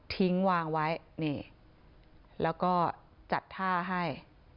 ทิ้งวางไว้นี่แล้วก็จัดท่าให้